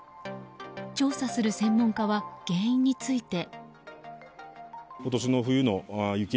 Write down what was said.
調査する専門家は原因について。